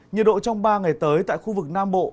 nhiệt độ trong ba ngày tới tại khu vực nam bộ